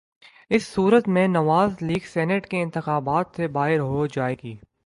اس صورت میں Nawaz League senate کے انتخابات سے باہر ہو جائے گی۔